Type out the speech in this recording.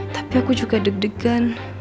tapi aku juga deg degan